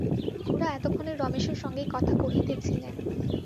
খুড়া এতক্ষণ রমেশের সঙ্গেই কথা কহিতেছিলেন।